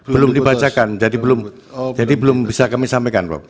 belum dibacakan jadi belum jadi belum bisa kami sampaikan